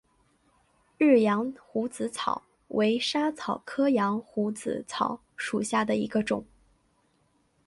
日羊胡子草为莎草科羊胡子草属下的一个种。